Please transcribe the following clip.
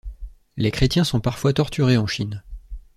Les chrétiens sont parfois torturés en Chine.